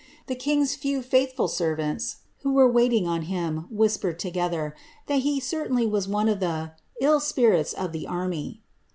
The king's few faithful servants, who were waiting oo him, whispered together, that he was certainly one of the ^ ill spirits of the army.